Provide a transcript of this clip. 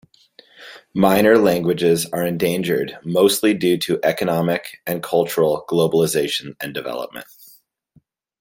Minor languages are endangered mostly due to economic and cultural globalization and development.